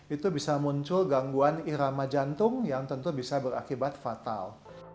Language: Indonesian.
itu bisa muncul gangguan irama jantung yang tentu bisa berakibat fatal